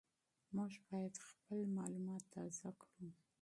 موږ باید خپل معلومات تازه کړو.